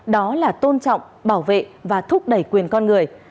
đó là tôn trọng bảo vệ và thúc đẩy quyền con người